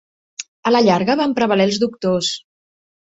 A la llarga van prevaler els doctors.